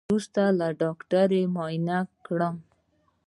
وروسته ډاکتر معاينه کړم.